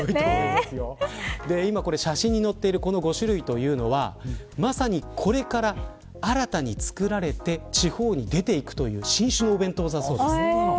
写真に載っている５種類はまさにこれから、新たに作られて地方に出ていくという新種のお弁当だそうです。